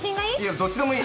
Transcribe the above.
どっちでもいい。